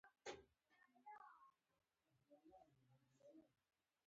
د مرکې وخت زما لپاره زیات د اهمیت وړ وو.